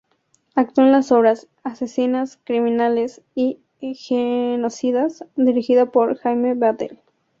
Actuó en las obras "Asesinas, Criminales y Genocidas" dirigida por Jaime Vadell.